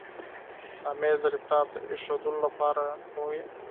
مېز د لپټاپ ایښودلو لپاره هم وي.